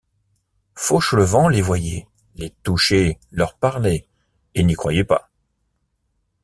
Fauchelevent les voyait, les touchait, leur parlait, et n’y croyait pas.